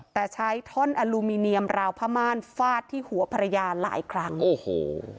แต่ใช้ท่อนอลูมิเนียมราวผ้าม่านฟาดที่หัวภรรยาหลายครั้งโอ้โห